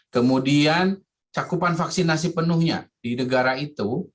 kemudian cakupan vaksinasi penuhnya di negara itu